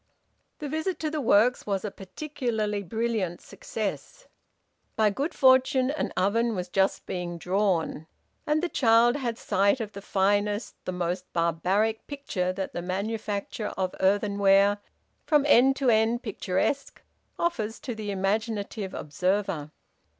The visit to the works was a particularly brilliant success. By good fortune an oven was just being `drawn,' and the child had sight of the finest, the most barbaric picture that the manufacture of earthenware, from end to end picturesque, offers to the imaginative observer.